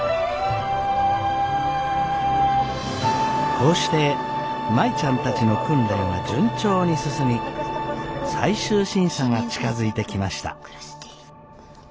こうして舞ちゃんたちの訓練は順調に進み最終審査が近づいてきました。